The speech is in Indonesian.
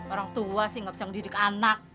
orang tua sih gak bisa ngundidik anak